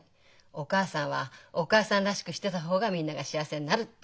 お母さんはお母さんらしくしてた方がみんなが幸せになる」って。